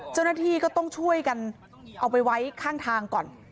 เจ้าหน้าที่ก็ต้องช่วยกันเอาไปไว้ข้างทางก่อน